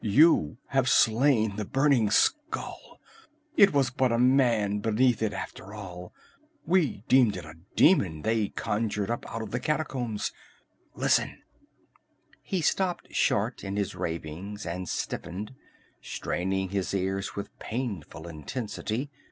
You have slain the Burning Skull! It was but a man beneath it, after all! We deemed it a demon they conjured up out of the catacombs! Listen!" He stopped short in his ravings and stiffened, straining his ears with painful intensity.